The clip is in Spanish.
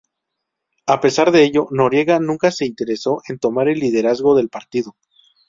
A pesar de ello, Noriega nunca se interesó en tomar el liderazgo del partido.